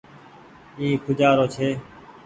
اي کوجآرو ڇي۔